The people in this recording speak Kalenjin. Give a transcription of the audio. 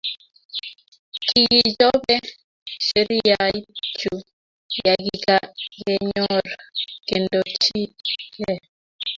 Kikichope sheriyait chu yakikakenyor kendochike.